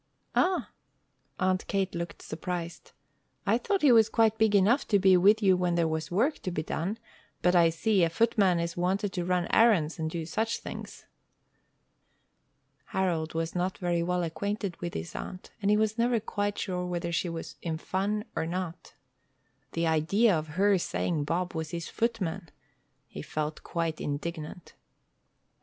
"Ah!" Aunt Kate looked surprised. "I thought he was quite big enough to be with you when there was work to be done, but I see, a footman is wanted to run errands and do such things." Harold was not very well acquainted with his aunt, and he was never quite sure whether she was in fun or not. The idea of her saying Bob was his footman! He felt quite indignant.